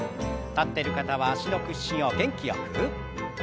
立ってる方は脚の屈伸を元気よく。